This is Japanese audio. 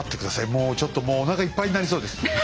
もうちょっともうおなかいっぱいになりそうです。